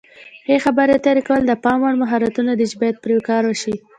ښې خبرې اترې کول د پام وړ مهارت دی چې باید پرې کار وشي.